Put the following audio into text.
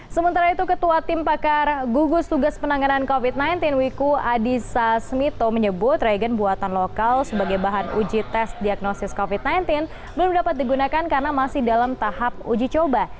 sementara itu ketua tim pakar gugus tugas penanganan covid sembilan belas wiku adhisa smito menyebut regen buatan lokal sebagai bahan uji tes diagnosis covid sembilan belas belum dapat digunakan karena masih dalam tahap uji coba